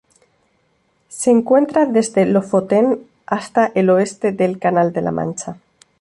Se encuentra desde Lofoten hasta el oeste del Canal de la Mancha.